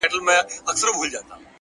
لوړ فکر د بدلون تخم شیندي